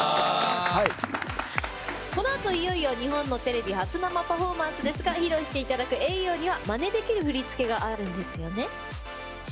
このあと、いよいよ日本のテレビ初生パフォーマンスで披露していただく「Ａｙ‐Ｙｏ」にはまねできる振り付けがあるんですよね。